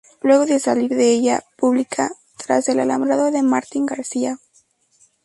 Luego de salir de ella, pública "Tras el alambrado de Martín García".